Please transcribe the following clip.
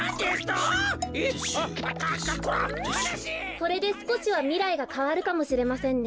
これですこしはみらいがかわるかもしれませんね。